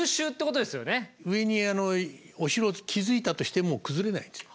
上にお城を築いたとしても崩れないんですよ。